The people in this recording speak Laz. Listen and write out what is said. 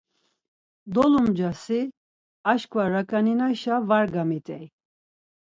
Dolumcasi aşǩva raǩaninaşa var gamit̆ey.